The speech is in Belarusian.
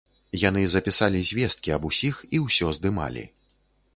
Яны запісалі звесткі аб усіх і ўсё здымалі.